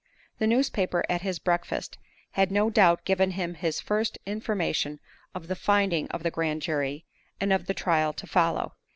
The newspaper at his breakfast had no doubt given him his first information of the "finding" of the grand jury, and of the trial to follow.